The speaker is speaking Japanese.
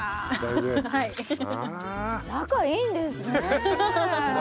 仲いいんですね。